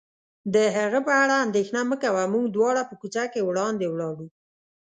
د هغه په اړه اندېښنه مه کوه، موږ دواړه په کوڅه کې وړاندې ولاړو.